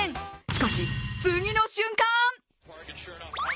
しかし、次の瞬間！